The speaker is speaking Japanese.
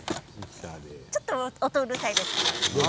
ちょっと音、うるさいです。